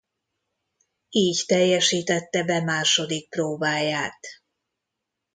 Így teljesítette be második próbáját.